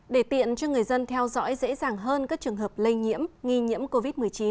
để tiện cho người dân theo dõi dễ dàng hơn các trường hợp lây nhiễm nghi nhiễm covid một mươi chín